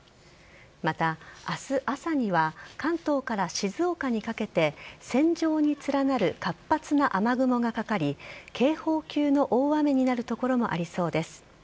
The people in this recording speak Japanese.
また、明日朝には関東から静岡にかけて線状に連なる活発な雨雲がかかり警報級の大雨になる所もありそうです。